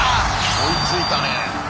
追いついたね。